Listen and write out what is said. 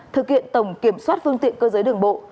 thực hiện tổng kiểm soát phương tiện cơ giới đường bộ